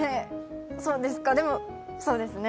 そうですか、でもそうですね。